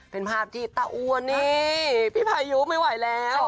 เป็นภาพที่ตาอ้วนนี่พี่พายุไม่ไหวแล้ว